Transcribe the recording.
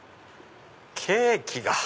ケーキが。